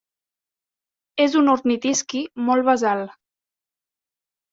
És un ornitisqui molt basal.